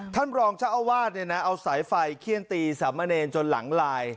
ท่านรองเจ้าอาวาสเนี่ยนะเอาสายไฟเขี้ยนตีสามเณรจนหลังลาย